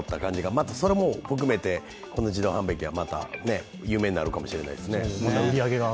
またそれも含めて、この自動販売機は有名になるかもしれないですね。